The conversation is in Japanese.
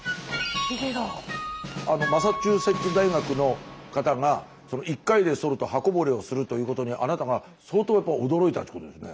マサチューセッツ大学の方が１回でそると刃こぼれをするということにあなたが相当やっぱ驚いたっちゅうことですね。